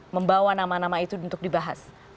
membawa nama nama itu untuk dibahas